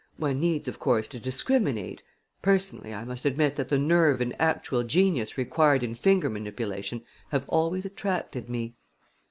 One needs, of course, to discriminate. Personally I must admit that the nerve and actual genius required in finger manipulation have always attracted me."